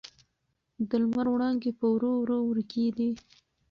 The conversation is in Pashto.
د لمر وړانګې په ورو ورو ورکېدې.